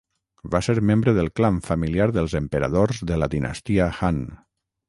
Va ser membre del clan familiar dels emperadors de la dinastia Han.